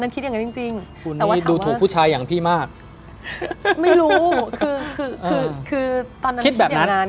อ๋อคุณนี้ดูถูกผู้ชายอย่างพี่มากแต่ว่าถามว่าตอนนั้นคิดอย่างนั้น